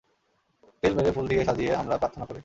তেল মেরে, ফুল দিয়ে সাজিয়ে আমরা প্রার্থনা করি।